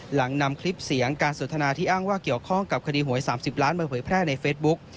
หลังนำคลิปเสียงการสนทนาที่อ้างว่าเกี่ยวข้องกับคดีหวย๓๐ล้านมาเผยแพร่ในเฟซบุ๊ก